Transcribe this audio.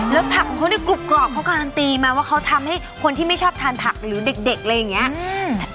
แล้วผักของเขาเนี่ยกรุบกรอบเขาการันตีมาว่าเขาทำให้คนที่ไม่ชอบทานผักหรือเด็กอะไรอย่างนี้